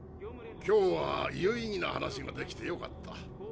今日は有意義な話ができてよかった。